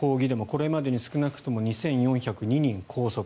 これまでに少なくとも２４０２人拘束。